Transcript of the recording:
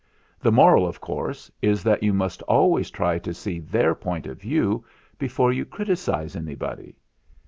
"The Moral, of course, is that you must al ways try to see their Point of View before you criticise anybody.